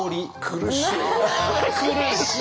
苦しい。